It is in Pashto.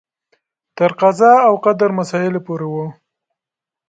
تر قضا او قدر مسایلو پورې و.